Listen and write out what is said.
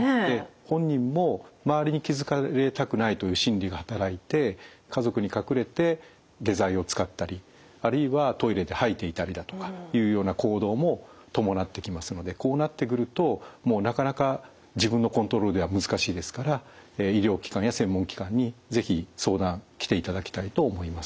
本人も周りに気付かれたくないという心理が働いて家族に隠れて下剤を使ったりあるいはトイレで吐いていたりだとかというような行動も伴ってきますのでこうなってくるともうなかなか自分のコントロールでは難しいですから医療機関や専門機関に是非相談来ていただきたいと思います。